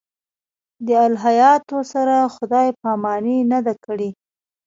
دې الهیاتو سره خدای پاماني نه ده کړې.